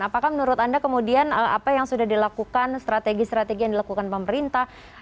apakah menurut anda kemudian apa yang sudah dilakukan strategi strategi yang dilakukan pemerintah